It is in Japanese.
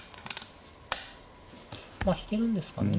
まあ引けるんですかね。